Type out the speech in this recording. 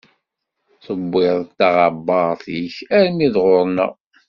Tewwiḍ-d taɣebbaṛt-ik armi d ɣur-neɣ.